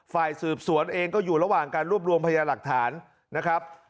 ฝ่ายสืบสวนเองก็อยู่ระหว่างการรวบรวมพยาหลักฐานนะครับ